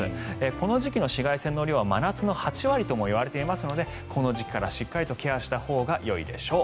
この時期の紫外線の量は真夏の８割ともいわれていますのでこの時期からしっかりケアしたほうがいいでしょう。